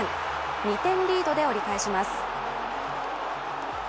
２点リードで折り返します。